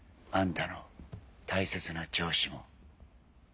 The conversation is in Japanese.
あんたの大切な上司も。